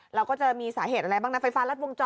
เราก็จะมีสาเหตุอะไรบ้างนะดวงจอ